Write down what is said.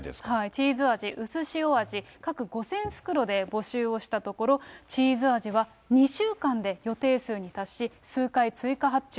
チーズあじ、うすしおあじ、各５０００袋で募集をしたところ、チーズあじは２週間で予定数に達し、数回追加発注。